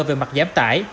về mặt giám tải